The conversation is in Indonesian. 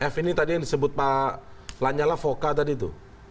f ini tadi yang disebut pak lanyala voka tadi itu